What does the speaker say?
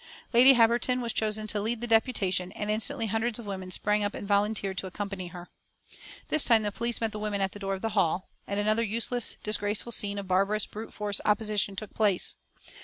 Lady Harberton was chosen to lead the deputation, and instantly hundreds of women sprang up and volunteered to accompany her. This time the police met the women at the door of the hall, and another useless, disgraceful scene of barbarous, brute force opposition took place.